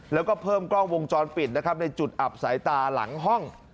แล้วก็เพิ่มกล้องวงจรปิดนะครับในจุดอับสายตาหลังห้อง